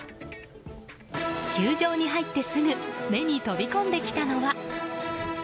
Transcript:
球場に入ってすぐ目に飛び込んできたのは。